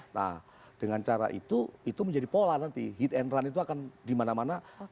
nah dengan cara itu itu menjadi pola nanti hit and run itu akan dimana mana